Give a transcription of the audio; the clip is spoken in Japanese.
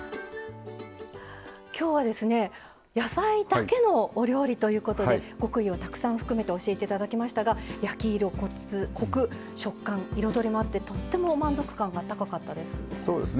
今日は野菜だけのお料理ということで極意をたくさん含めて教えていただきましたが焼き色、コク、食感彩りもあってとっても満足感が高かったです。